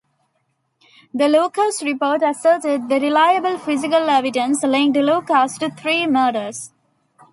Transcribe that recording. The "Lucas Report" asserted that reliable physical evidence linked Lucas to three murders.